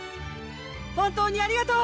本当にありがとう！